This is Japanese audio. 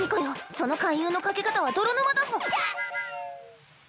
その勧誘のかけ方は泥沼だぞシャ？